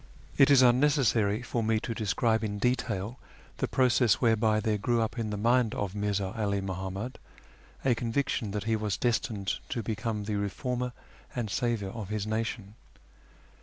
It is unnecessary for me to describe in detail the process whereby there grew up in the mind of Mirza 'Ali Muhammad a conviction that he was destined to become the reformer and saviour of his nation.